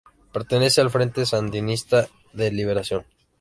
Pertenece al Frente Sandinista de Liberación.